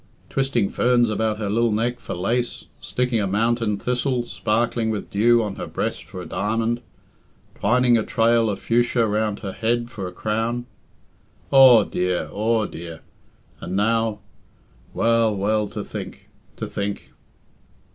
Twisting ferns about her lil neck for lace, sticking a mountain thistle, sparkling with dew, on her breast for a diamond, twining a trail of fuchsia round her head for a crown aw, dear! aw, dear! And now well, well, to think! to think!"